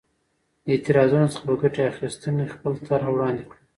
د اعتراضونو څخه په ګټې اخیستنې خپله طرحه وړاندې کړه.